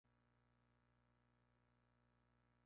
La barracuda tiene una bien ganada reputación de depredador.